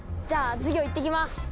じゃあ授業いってきます！